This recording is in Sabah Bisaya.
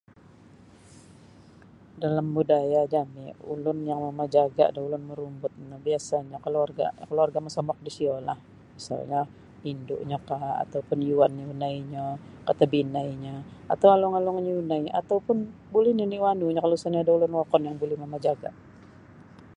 Dalam budaya jami' ulun yang mamajaga' da ulun marumbut no biasa'nyo kaluarga' kaluarga' mosomok disiyolah misalnyo indu'nyokah atau pun yuan yunainyo katabinainyo atau alung-alung yunai atau pun buli nini' wanunyo kalau isa nio ada' ulun wokon yang buli mamajaga'.